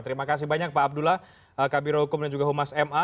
terima kasih banyak pak abdullah kabiro hukum dan juga humas ma